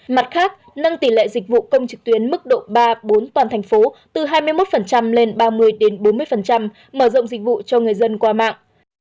mặt khác nâng tỷ lệ dịch vụ công trực tuyến mức độ ba bốn toàn thành phố từ hai mươi một lên ba mươi bốn mươi mở rộng dịch vụ cho người dân qua mạng